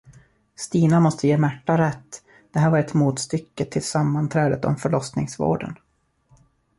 Stina måste ge Märta rätt, det här var ett motstycke till sammanträdet om förlossningsvården.